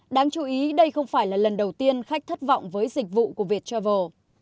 đáng chú ý đây không phải là lần đầu tiên khách thất vọng với dịch vụ của viettravel